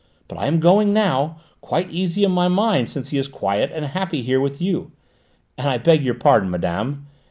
But I am going now, quite easy in my mind, since he is quiet and happy here with you. And I beg your pardon, madame."